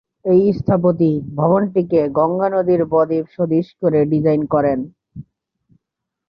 এই স্থপতি ভবনটিকে গঙ্গা নদীর বদ্বীপ সদৃশ করে ডিজাইন করেন।